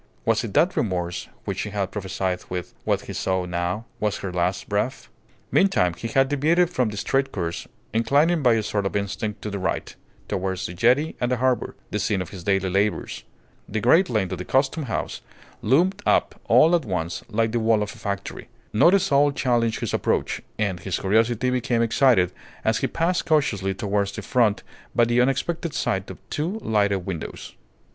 Was it that remorse which she had prophesied with, what he saw now, was her last breath? Meantime, he had deviated from the straight course, inclining by a sort of instinct to the right, towards the jetty and the harbour, the scene of his daily labours. The great length of the Custom House loomed up all at once like the wall of a factory. Not a soul challenged his approach, and his curiosity became excited as he passed cautiously towards the front by the unexpected sight of two lighted windows.